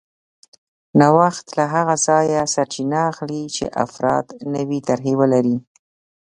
نوښت له هغه ځایه سرچینه اخلي چې افراد نوې طرحې ولري